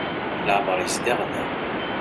Leɛmer yezdiɣ da.